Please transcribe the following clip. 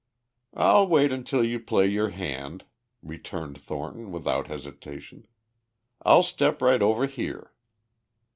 "I'll wait until you play your hand," returned Thornton without hesitation. "I'll step right over here."